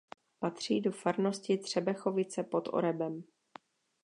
Patří do farnosti Třebechovice pod Orebem.